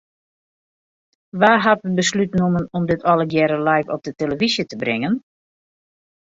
Wa hat it beslút nommen om dit allegearre live op 'e telefyzje te bringen?